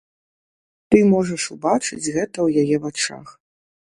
Ты можаш убачыць гэта ў яе вачах.